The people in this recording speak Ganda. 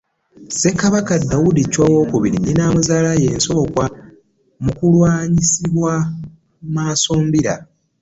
Ssekabaka Daudi Ccwa II nnyina amuzaala ye Nsookwa Mukulwabuuzibwa Maasombira.